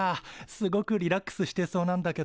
すごくリラックスしてそうなんだけど。